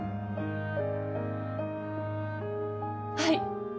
はい。